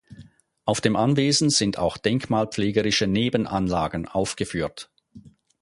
Auf dem Anwesen sind auch denkmalpflegerische Nebenanlagen aufgeführt.